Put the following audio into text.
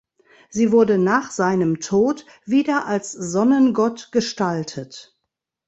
Sie wurde nach seinem Tod wieder als Sonnengott gestaltet.